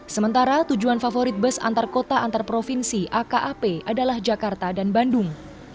sementara tujuan favorit bus antar kota antar provinsi akap adalah jakarta dan bandung